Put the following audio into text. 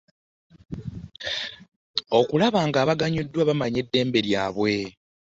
Okulaba ng’abaganyulwa bamanya eddembe lyabwe.